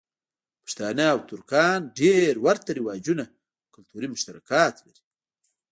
پښتانه او ترکان ډېر ورته رواجونه او کلتوری مشترکات لری.